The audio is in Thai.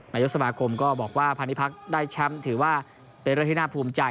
นายกสมาคมก็บอกว่าพาณิพักษ์ได้แชมป์ถือว่าเป็นเรื่องที่น่าภูมิใจ